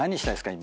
今。